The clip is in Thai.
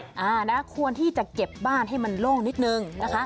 อ่านะควรที่จะเก็บบ้านให้มันโล่งนิดนึงนะคะ